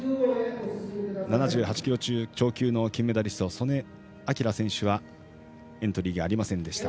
７８キロ超級の金メダリスト素根輝選手はエントリーがありませんでした。